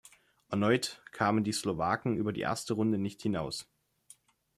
Erneut kamen die Slowaken über die erste Runde nicht hinaus.